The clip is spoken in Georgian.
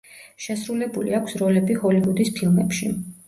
შესრულებული აქვს როლები ჰოლივუდის ფილმებში.